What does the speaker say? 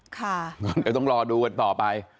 คุณก็ต้องรอดูกันต่อไป